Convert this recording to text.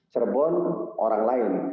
cirebon orang lain